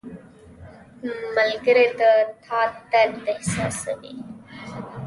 • ملګری د تا درد احساسوي.